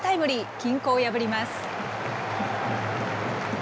均衡を破ります。